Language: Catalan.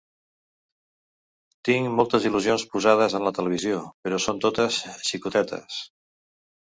Tinc moltes il·lusions posades en la televisió, però són totes xicotetes.